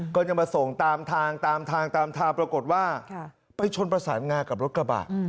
ก็จะมาส่งตามทางตามทางตามทางปรากฏว่าไปชนประสานงากับรถกระบะ